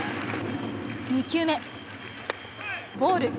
２球目、ボール。